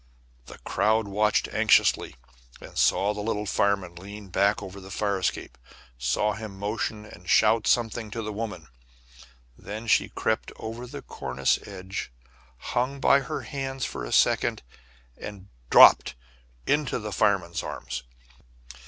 The crowd watched anxiously, and saw the little fireman lean back over the fire escape, saw him motion and shout something to the woman. And then she crept over the cornice edge, hung by her hands for a second, and dropped into the fireman's arms.